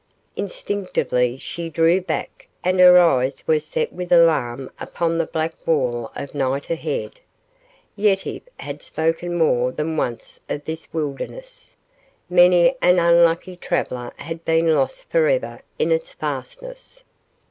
Instinctively she drew back and her eyes were set with alarm upon the black wall of night ahead. Yetive had spoken more than once of this wilderness. Many an unlucky traveler had been lost forever in its fastnesses.